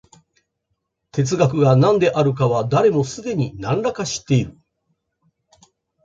哲学が何であるかは、誰もすでに何等か知っている。